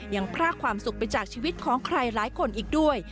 พรากความสุขไปจากชีวิตของใครหลายคนอีกด้วย